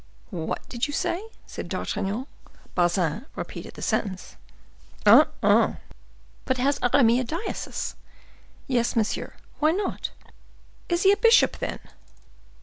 "What did you say?" said D'Artagnan. Bazin repeated the sentence. "Ah, ah! but has Aramis a diocese?" "Yes, monsieur. Why not?" "Is he a bishop, then?"